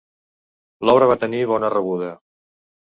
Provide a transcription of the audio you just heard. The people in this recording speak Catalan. L'obra va tenir bona rebuda.